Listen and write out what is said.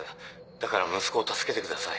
だから息子を助けてください。